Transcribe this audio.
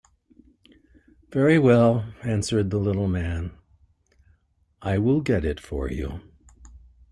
"Very well," answered the little man; "I will get it for you."